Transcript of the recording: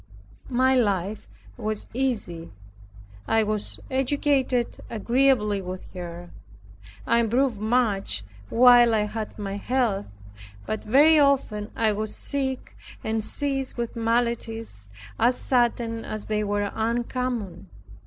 My life was easy; I was educated agreeably with her. I improved much while I had my health, but very often I was sick, and seized with maladies as sudden as they were uncommon.